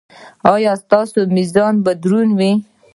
ایا ستاسو میزان به دروند وي؟